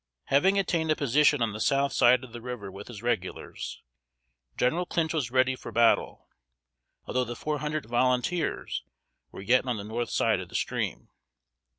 Having attained a position on the south side of the river with his Regulars, General Clinch was ready for battle; although the four hundred volunteers were yet on the north side of the stream.